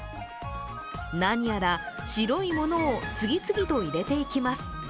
何やら白いものを次々と入れていきます。